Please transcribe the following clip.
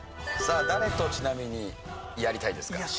さあ誰とちなみにやりたいですか？